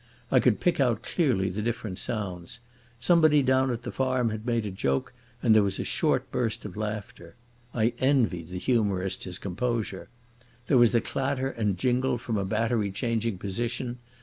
I could pick out clearly the different sounds. Somebody down at the farm had made a joke and there was a short burst of laughter. I envied the humorist his composure. There was a clatter and jingle from a battery changing position.